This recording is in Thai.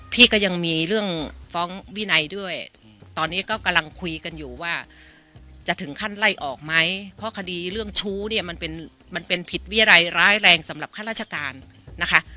พี่ก็ยังมีเรื่องฟ้องวินัยด้วยตอนนี้ก็กำลังคุยกันอยู่ว่าจะถึงขั้นไล่ออกไหมเพราะคดีเรื่องชู้เนี่ยมันเป็นมันเป็นผิดวิรัยร้ายแรงสำหรับข้าราชการนะคะ